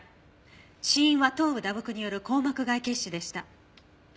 死因は頭部打撲による硬膜外血腫でした。